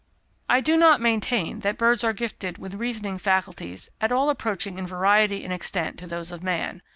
I do not maintain that birds are gifted with reasoning faculties at all approaching in variety and extent to those of man.